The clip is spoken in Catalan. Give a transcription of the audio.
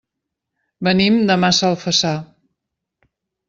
Venim de Massalfassar.